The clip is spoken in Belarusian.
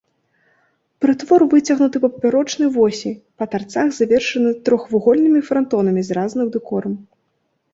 Прытвор выцягнуты па папярочнай восі, па тарцах завершаны трохвугольнымі франтонамі з разным дэкорам.